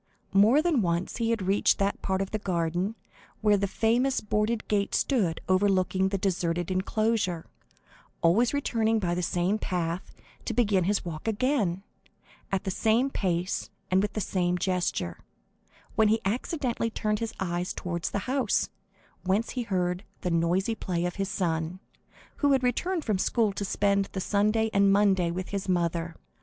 More than once he had reached that part of the garden where the famous boarded gate stood overlooking the deserted enclosure, always returning by the same path, to begin his walk again, at the same pace and with the same gesture, when he accidentally turned his eyes towards the house, whence he heard the noisy play of his son, who had returned from school to spend the Sunday and Monday with his mother.